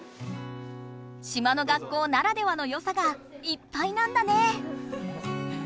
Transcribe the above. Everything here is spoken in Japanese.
島の学校ならではのよさがいっぱいなんだね！